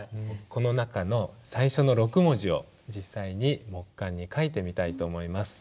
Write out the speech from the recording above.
この中の最初の６文字を実際に木簡に書いてみたいと思います。